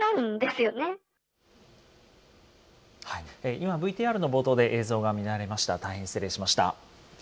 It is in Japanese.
今、ＶＴＲの冒頭で映像が乱れました、大変失礼しました。